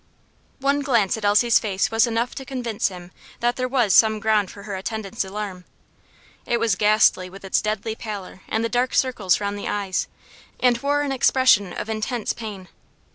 One glance at Elsie's face was enough to convince him that there was some ground for her attendant's alarm. It was ghastly with its deadly pallor and the dark circles round the eyes, and wore an expression of intense pain.